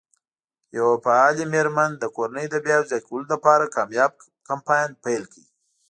یوه فعالې مېرمن د کورنۍ د بیا یو ځای کولو لپاره کمپاین پیل کړ.